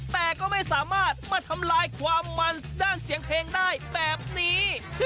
แต่ก็ไม่สามารถมาทำลายความมันด้านเสียงเพลงได้แบบนี้